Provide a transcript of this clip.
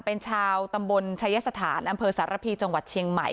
เป็นชาวตำบลชายสถานอำเภอสารพีจังหวัดเชียงใหม่